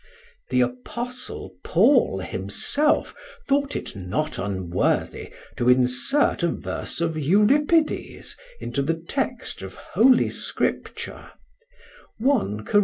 The Apostle Paul himself thought it not unworthy to insert a verse of Euripides into the Text of Holy Scripture, I Cor.